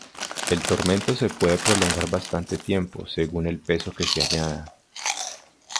El tormento se puede prolongar bastante tiempo según el peso que se añada.